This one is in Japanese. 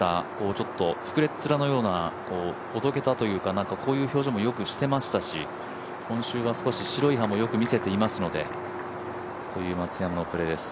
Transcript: ちょっとふくれっつらのような怒ったような表情もしていましたし今週は少し白い歯も見せていますので、という松山のプレーです。